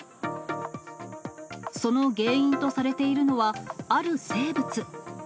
その原因とされているのは、ある生物。